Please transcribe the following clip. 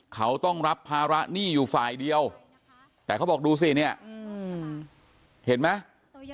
เขาต้องรับภาระหนี้อยู่ฝ่ายเดียวแต่เขาบอกดูสิเนี่ยเห็นไหม